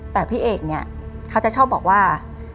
แต่พี่เอกเนี่ยเขาจะชอบบอกว่า